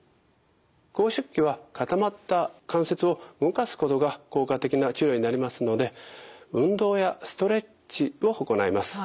拘縮期は固まった関節を動かすことが効果的な治療になりますので運動やストレッチを行います。